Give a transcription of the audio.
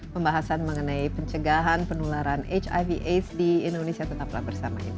pembahasan mengenai pencegahan penularan hiv aids di indonesia tetaplah bersama insight